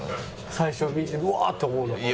最初見て「うわー！」って思うのは。